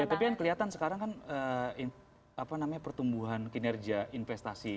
ya tapi kan kelihatan sekarang kan pertumbuhan kinerja investasi